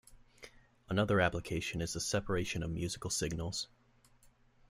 Another application is the separation of musical signals.